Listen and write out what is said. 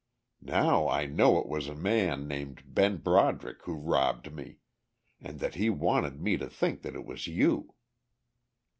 Now I know it was a man named Ben Broderick who robbed me, and that he wanted me to think that it was you.